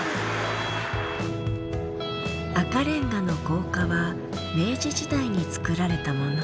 赤レンガの高架は明治時代に作られたもの。